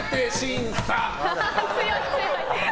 強い、強い。